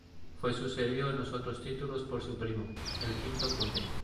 Fue sucedido en los otros títulos por su primo, el quinto conde.